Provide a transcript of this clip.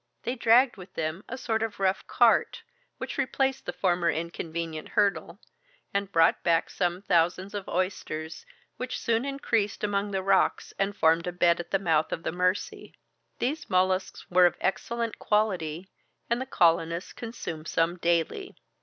They dragged with them a sort of rough cart, which replaced the former inconvenient hurdle, and brought back some thousands of oysters, which soon increased among the rocks and formed a bed at the mouth of the Mercy. These molluscs were of excellent quality, and the colonists consumed some daily.